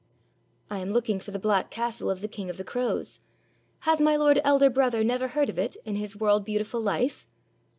"I am looking for the black castle of the King of the Crows. Has my lord elder brother never heard of it in his world beautiful life?"